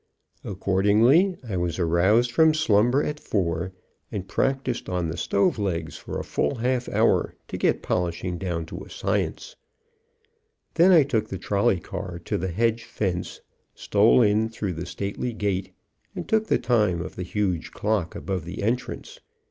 Accordingly, I was aroused from slumber at four, and practiced on the stove legs for a full half hour, to get polishing down to a science. Then I took the trolley car to the hedge fence, stole in through the stately gate, and took the time of the huge clock above the entrance.